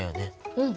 うん！